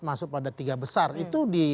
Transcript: masuk pada tiga besar itu di